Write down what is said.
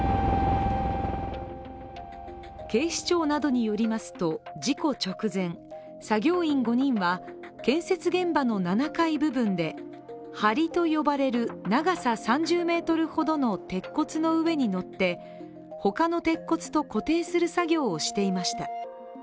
警視庁などによりますと、事故直前作業員５人は建設現場の７階部分ではりと呼ばれる長さ３０ｍほどの鉄骨の上に乗って他の鉄骨と固定する作業をしていました。